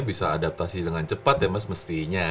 bisa adaptasi dengan cepat ya mas mestinya